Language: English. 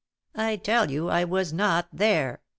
"I tell you I was not there!"